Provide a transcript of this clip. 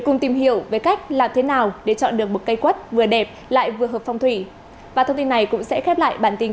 quan điểm của người xưa khi trang trí